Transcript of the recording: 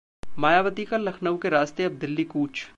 मायावती का लखनऊ के रास्ते अब दिल्ली कूच